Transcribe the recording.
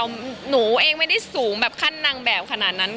หนูเองไม่ได้สูงแบบขั้นนางแบบขนาดนั้น